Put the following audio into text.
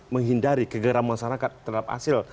menghindari kegeram masyarakat terhadap hasil